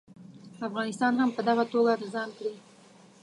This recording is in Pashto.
افغانستان هم په دغه توګه د ځان کړي.